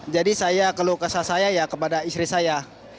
jadi saya keluh kesah saya kepada istri saya